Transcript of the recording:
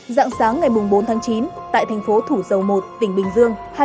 dạng sáng ngày bốn tháng chín tại thành phố thủ dầu một tỉnh bình dương